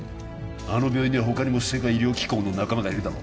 あの病院には他にも世界医療機構の仲間がいるだろ？